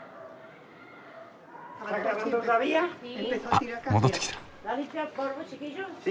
あっ戻ってきた。